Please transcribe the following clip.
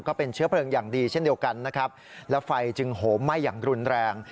ก็เป็นเชื้อเพลิงอย่างดีเช่นเดียวกันนะครับแล้วไฟจึงโหมไหม้อย่างรุนแรง